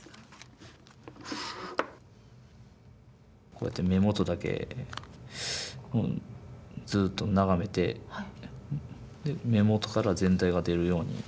こうやって目元だけずっと眺めてで目元から全体が出るように。